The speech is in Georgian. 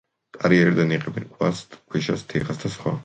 კარიერიდან იღებენ ქვას, ქვიშას, თიხას და სხვა.